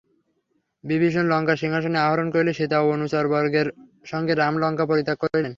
বিভীষণ লঙ্কার সিংহাসনে আরোহণ করিলে সীতা ও অনুচরবর্গের সঙ্গে রাম লঙ্কা পরিত্যাগ করিলেন।